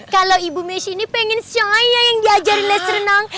kalau ibu messi ini pengen shoya yang diajarin nas renang